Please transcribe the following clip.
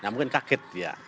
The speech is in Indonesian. mungkin kaget ya